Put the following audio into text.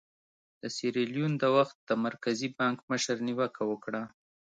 د سیریلیون د وخت د مرکزي بانک مشر نیوکه وکړه.